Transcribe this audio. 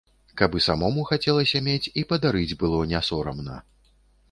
Каб і самому хацелася мець, і падарыць было не сорамна!